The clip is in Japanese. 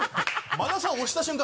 馬田さん押した瞬間